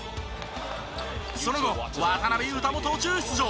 その後渡邊雄太も途中出場。